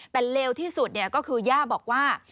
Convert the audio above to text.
แต่เลวที่สุดก็คือย่าบอกว่า